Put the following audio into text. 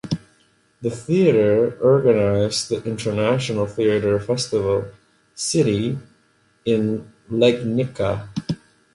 The theater organized the International Theatre Festival "City" in Legnica.